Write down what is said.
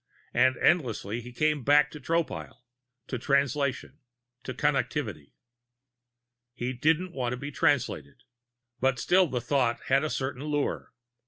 And endlessly he kept coming back to Tropile, to Translation, to Connectivity. He didn't want to be Translated. But still the thought had a certain lure.